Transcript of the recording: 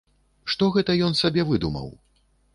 Што гэта ён сабе выдумаў?